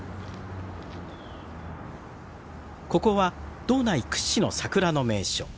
ここは道内屈指の桜の名所。